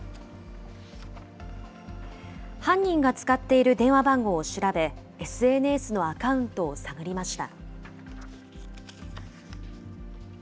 犯人が使っている電話番号を調べ、ＳＮＳのアカウントを探りました。